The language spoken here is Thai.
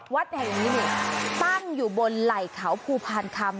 วัดแห่งนี้นี่ตั้งอยู่บนไหล่เขาภูพานคำ